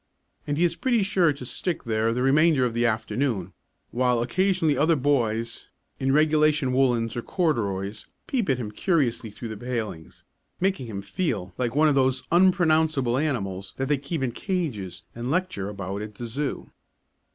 And he is pretty sure to stick there the remainder of the afternoon, while occasionally other boys, in regulation woollens or corduroys, peep at him curiously through the palings, making him feel like one of those unpronounceable animals that they keep in cages and lecture about at the zoo.